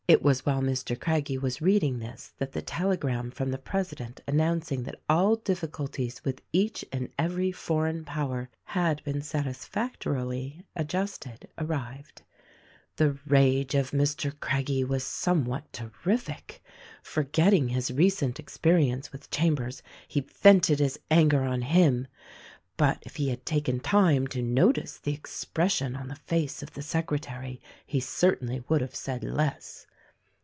It was while Mr. Craggie was reading this that the telegram from the president announcing that all difficulties with each and every foreign power had been satisfactorily adjusted, arrived. The rage of Mr. Craggie was somewhat terrific. Forgetting his recent experience with Chambers he vented his anger on him ; but if he had taken time to notice the expression on the face of the secretary he cer tainly would have said less.